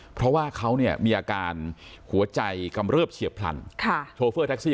เพราะว่าเขาเนี่ยมีอาการหัวใจกำเริบเฉียบพลันโชเฟอร์แท็กซี่